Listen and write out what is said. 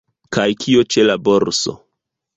Kaj kio ĉe la borso?